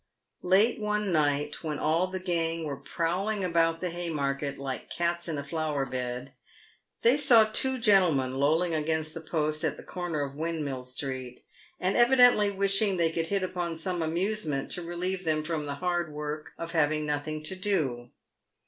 Late one night, when all the gang were prowling about the Hay market like cats in a flower bed, they saw two gentlemen lolling against the post at the corner of Windmill street, and evidently wishing they could hit upon some amusement to relieve them from the hard work of having nothing to do.